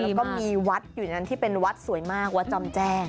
แล้วก็มีวัดอยู่นั้นที่เป็นวัดสวยมากวัดจอมแจ้ง